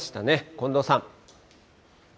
近藤さん。